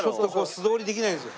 素通りできないんですよ。